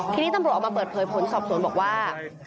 ทีนี้ตำรวจออกมาเปิดเผยผลสอบสวนบอกว่า